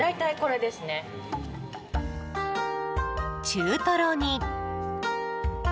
中トロに。